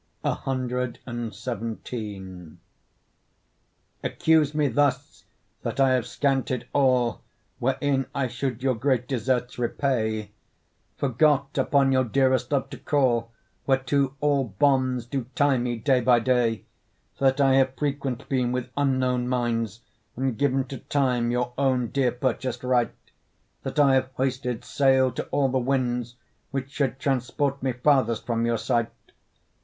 CXVII Accuse me thus: that I have scanted all, Wherein I should your great deserts repay, Forgot upon your dearest love to call, Whereto all bonds do tie me day by day; That I have frequent been with unknown minds, And given to time your own dear purchas'd right; That I have hoisted sail to all the winds Which should transport me farthest from your sight.